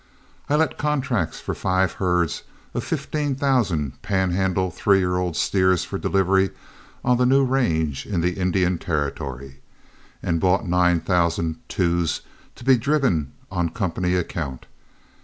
I let contracts for five herds of fifteen thousand Pan Handle three year old steers for delivery on the new range in the Indian Territory, and bought nine thousand twos to be driven on company account.